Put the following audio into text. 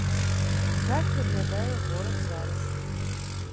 Так выглядае горад зараз.